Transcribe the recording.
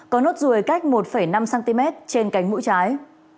có nốt ruồi cách một năm cm trên cánh mũi trái